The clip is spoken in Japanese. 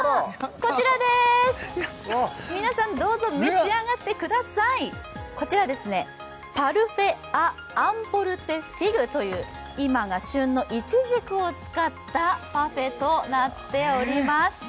こちらですやったやった皆さんどうぞ召し上がってくださいこちらですねパルフェアアンポルテフィグという今が旬のいちじくを使ったパフェとなっております